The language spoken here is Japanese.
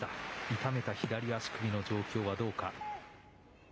痛めた左足首の状況はどうか。